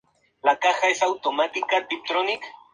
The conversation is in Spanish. Algunas tienen valor como planta medicinal.